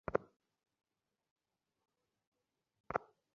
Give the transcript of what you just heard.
মনিকে মারার পর আমরা কী করবো?